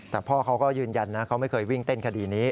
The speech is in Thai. แต่พ่อเขาก็ยืนยันนะเขาไม่เคยวิ่งเต้นคดีนี้